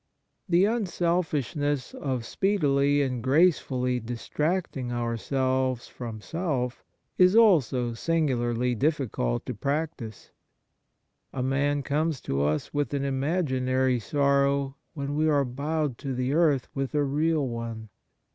The unselfishness of speedily and grace fully distracting ourselves from self is also singularly difficult to practise. A man comes to us with an imaginary sorrow when we are bowed to the earth with a real one.